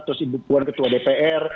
terus ibu puan ketua dpr